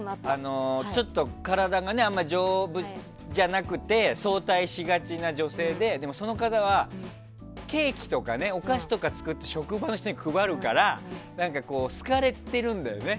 体があまり丈夫じゃなくて早退しがちな女性ででもその方はケーキとかお菓子とか作って職場の人に配るから好かれてるんだよね。